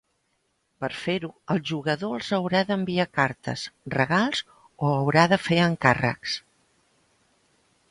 Per fer-ho el jugador els haurà d'enviar cartes, regals, o haurà de fer encàrrecs.